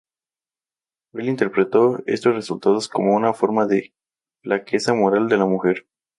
Él interpretó estos resultados como una forma de flaqueza moral de la mujer.